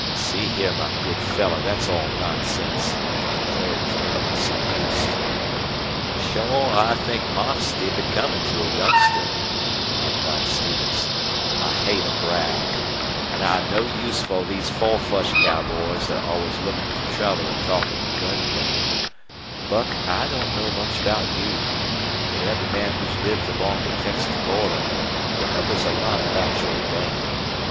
"See here, my good fellow, that's all nonsense," declared Duane, in some haste. "Shore I think modesty becomin' to a youngster," replied Stevens. "I hate a brag. An' I've no use fer these four flush cowboys thet 're always lookin' fer trouble an' talkin' gun play. Buck, I don't know much about you. But every man who's lived along the Texas border remembers a lot about your Dad.